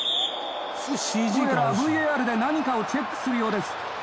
どうやらＶＡＲで何かをチェックするようです。